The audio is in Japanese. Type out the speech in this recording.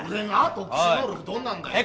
どんなんだよ？